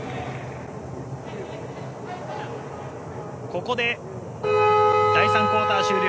ここで第３クオーター終了。